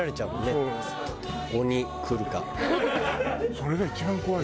それが一番怖い。